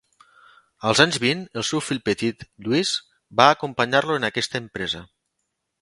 Als anys vint el seu fill petit, Lluís, va acompanyar-lo en aquesta empresa.